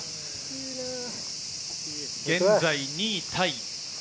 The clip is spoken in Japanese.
現在２位タイ。